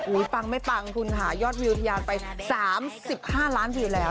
อุ้ยปังไม่ปังคุณค่ะยอดวิวทรยาลไป๓๕ล้านอยู่แล้ว